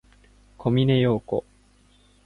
小峰洋子